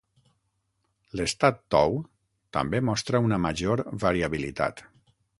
L'estat tou també mostra una major variabilitat.